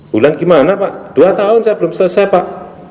bulan gimana pak dua tahun saya belum selesai pak